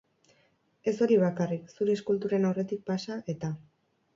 Ez hori bakarrik, zure eskulturen aurretik pasa, eta.